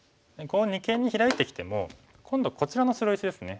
二間にヒラいてきても今度こちらの白石ですね。